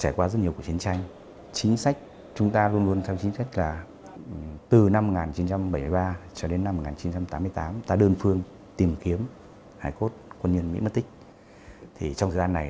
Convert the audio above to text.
và quan điểm của việt nam chúng ta là công tác tìm kiếm người mất tích này